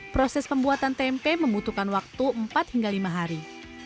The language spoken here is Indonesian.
proses pembuatan tempe membutuhkan waktu empat hingga lima hari